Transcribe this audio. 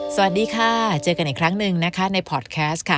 สวัสดีค่ะเจอกันอีกครั้งหนึ่งนะคะในพอร์ตแคสต์ค่ะ